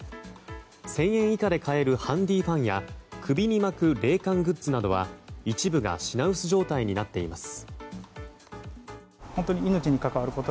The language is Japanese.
１０００円以下で買えるハンディファンや首にまく冷感グッズなどは一部が品薄状態になっています。